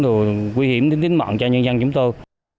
nguy hiểm đến tính mạng cho nhân dân chúng tôi